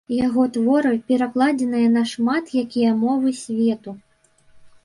Яго творы перакладзеныя на шмат якія мовы свету.